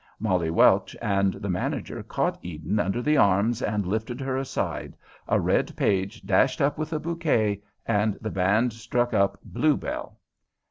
Molly Welch and the manager caught Eden under the arms and lifted her aside, a red page dashed up with a bouquet, and the band struck up "Blue Bell."